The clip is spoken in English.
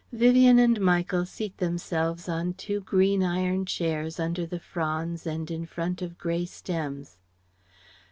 Vivien and Michael seat themselves on two green iron chairs under the fronds and in front of grey stems.